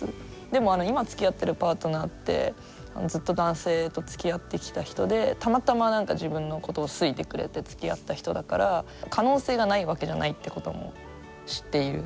でも今つきあってるパートナーってずっと男性とつきあってきた人でたまたま自分のことを好いてくれてつきあった人だから可能性がないわけじゃないってことも知っている。